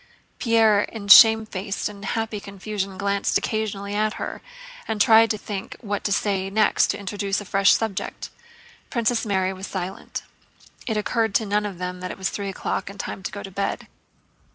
Pierre in shamefaced and happy confusion glanced occasionally at her, and tried to think what to say next to introduce a fresh subject. Princess Mary was silent. It occurred to none of them that it was three o'clock and time to go to bed.